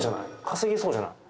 稼げそうじゃない？